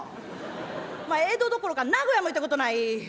江戸どころか名古屋も行ったことない。